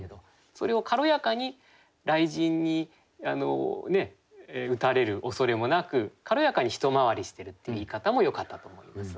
それを軽やかに雷神に打たれる恐れもなく軽やかに一回りしてるって言い方もよかったと思います。